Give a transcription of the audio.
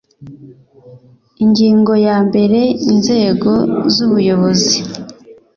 Ingingo ya mbere Inzego z ubuyobozi